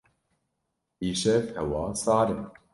Îşev hewa sar e.